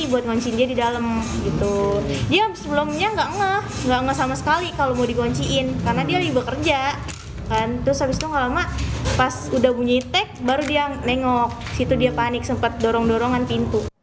pelaku yang terlalu bergerak di dalam gerai terkunci